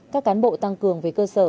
các cán bộ tăng cường về cơ sở